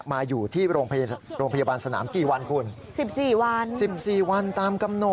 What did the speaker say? มาอยู่ที่โรงพยาบาลสนามสี่วันคุณ